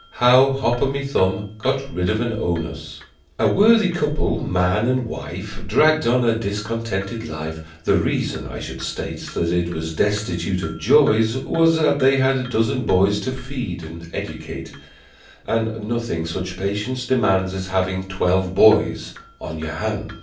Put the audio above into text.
How Hop O' My Thumb Got Rid of an Onus A worthy couple, man and wife, Dragged on a discontented life: The reason, I should state, That it was destitute of joys, Was that they had a dozen boys To feed and educate, And nothing such patience demands As having twelve boys on your hands!